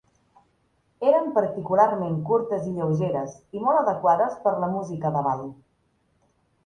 Eren particularment curtes i lleugeres, i molt adequades per a la música de ball.